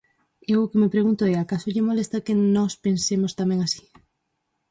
Eu o que me pregunto é: ¿acaso lle molesta que nós pensemos tamén así?